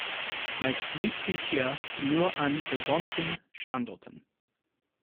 Meist blüht sie hier nur an besonnten Standorten.